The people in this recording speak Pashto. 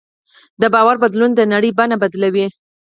د باور بدلون د نړۍ بڼه بدلوي.